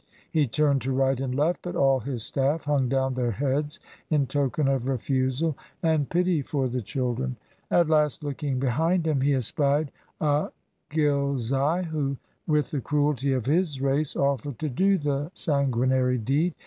He turned to right and left, but all his staff hung down their heads in token of refusal and pity for the children. At last looking behind him he espied a Ghilzai who, 198 THE SIKH RELIGION with the cruelty of his race, offered to do the san guinary deed.